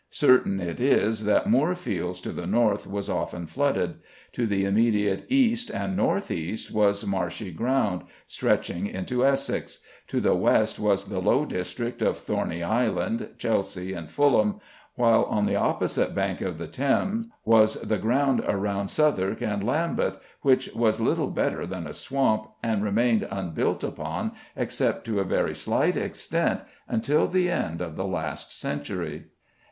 Certain it is that Moorfields to the north was often flooded; to the immediate east and north east was marshy ground, stretching into Essex; to the west was the low district of Thorney Island, Chelsea, and Fulham, while on the opposite bank of the Thames was the ground around Southwark and Lambeth, which was little better than a swamp, and remained unbuilt upon, except to a very slight extent, until the end of the last century.